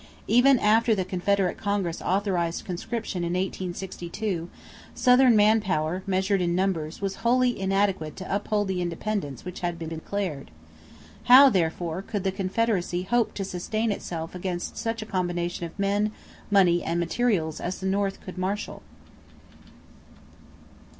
Even after the Confederate Congress authorized conscription in 1862, Southern man power, measured in numbers, was wholly inadequate to uphold the independence which had been declared. How, therefore, could the Confederacy hope to sustain itself against such a combination of men, money, and materials as the North could marshal?